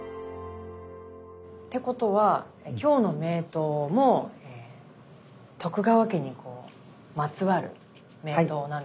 ってことは今日の名刀も徳川家にまつわる名刀なんですかね？